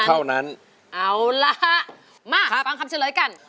เปรียบความรักที่เหมือนมน